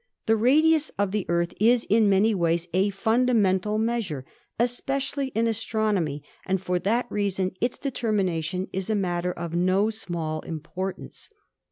The radius of the Earth is in many ways a fundamental measure, especially in astronomy, and for that reason its determination is a matter of no small importance.